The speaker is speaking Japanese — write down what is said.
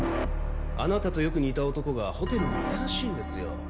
あなたとよく似た男がホテルにいたらしいんですよ。